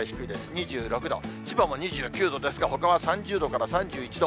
２６度、千葉も２９度ですが、ほかは３０度から３１度。